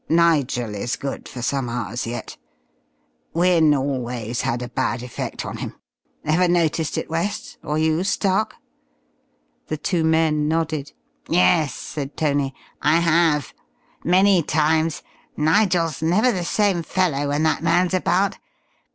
Nigel is good for some hours yet. Wynne always had a bad effect on him. Ever noticed it, West? Or you, Stark?" The two men nodded. "Yes," said Tony, "I have. Many times. Nigel's never the same fellow when that man's about.